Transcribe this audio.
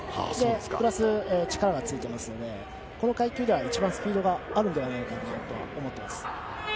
プラス力がついてますのでこの階級では一番スピードがあるんではないかと思います。